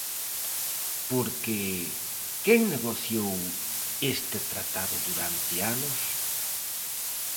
Porque ¿quen negociou este tratado durante anos?